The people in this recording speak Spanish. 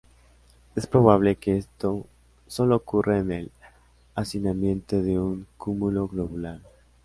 Es probable que esto sólo ocurra en el hacinamiento de un cúmulo globular.